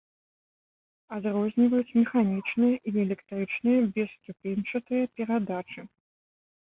Адрозніваюць механічныя і электрычныя бесступеньчатыя перадачы.